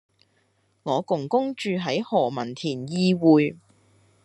我公公住喺何文田懿薈